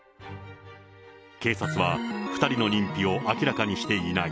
警察は２人の認否を明らかにしていない。